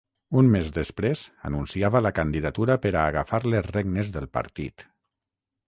Un mes després anunciava la candidatura per a agafar les regnes del partit.